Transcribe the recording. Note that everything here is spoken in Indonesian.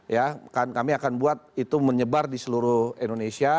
ya kami akan buat itu menyebar di seluruh indonesia